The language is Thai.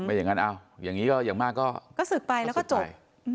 ไม่อย่างงั้นเอ้าอย่างงี้ก็อย่างมากก็สุดไปแล้วก็จบ